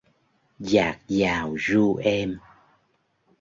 Dạt dào ru êm